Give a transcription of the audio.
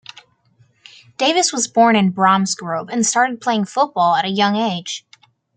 Davis was born in Bromsgrove and started playing football at a young age.